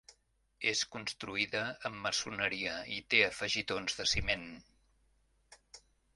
És construïda amb maçoneria i té afegitons de ciment.